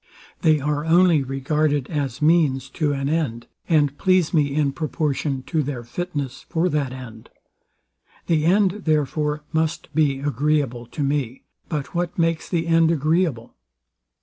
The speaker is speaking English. They are only regarded as means to an end, and please me in proportion to their fitness for that end. The end, therefore, must be agreeable to me. But what makes the end agreeable?